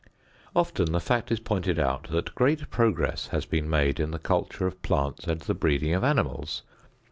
Often the fact is pointed out that great progress has been made in the culture of plants and the breeding of animals.